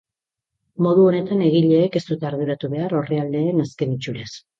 Modu honetan egileek ez dute arduratu behar orrialdeen azken itxuraz.